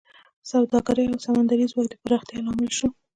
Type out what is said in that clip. د سوداګرۍ او سمندري ځواک د پراختیا لامل شو